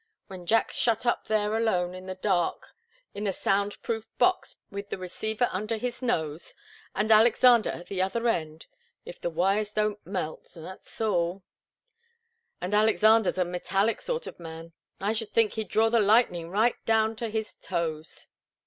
When Jack's shut up there alone in the dark in the sound proof box with the receiver under his nose and Alexander at the other end if the wires don't melt that's all! And Alexander's a metallic sort of man I should think he'd draw the lightning right down to his toes."